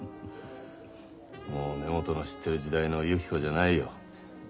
もう根本の知ってる時代のゆき子じゃないよ。